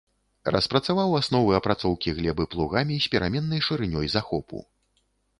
Распрацаваў асновы апрацоўкі глебы плугамі з пераменнай шырынёй захопу.